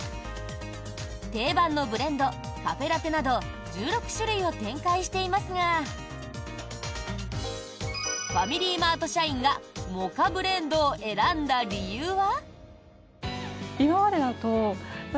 定番のブレンド、カフェラテなど１６種類を展開していますがファミリーマート社員がモカブレンドを選んだ理由は。